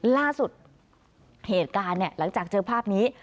ล่าสุดเหตุการณ์เนี่ยหลังจากเจอภาพนี้